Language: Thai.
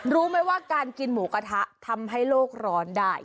รู้ไหมว่าการกินหมูกระทะทำให้โลกร้อนได้